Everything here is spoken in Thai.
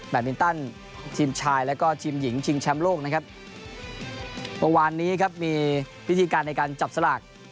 มินตันทีมชายแล้วก็ทีมหญิงชิงแชมป์โลกนะครับเมื่อวานนี้ครับมีวิธีการในการจับสลาก